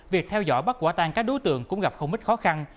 việc theo dõi bắt quả tan các đối tượng cũng gặp không ít khó khăn